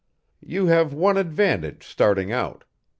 You have one advantage starting out.